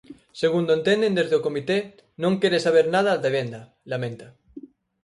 Segundo entenden desde o comité "non quere saber nada de venda", lamenta.